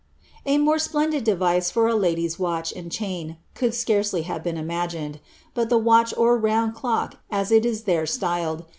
A more splendid device for a lady's watch and chain could scarcely have been imagined ; but the watch or round clock, as it is there styled, > Sloane MS.